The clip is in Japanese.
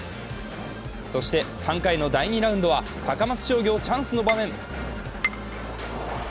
そして３回の第２ラウンドは高松商業チャンスの場面。